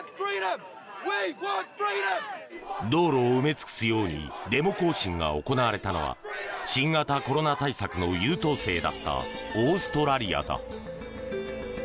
道路を埋め尽くすようにデモ行進が行われたのは新型コロナ対策の優等生だったオーストラリアだ。